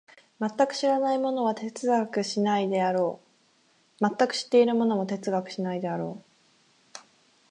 全く知らない者は哲学しないであろう、全く知っている者も哲学しないであろう。